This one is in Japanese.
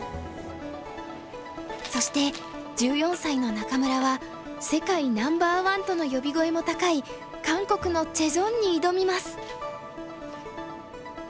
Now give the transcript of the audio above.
そして１４歳の仲邑は世界ナンバーワンとの呼び声も高い韓国のチェ・ジョンに挑みます。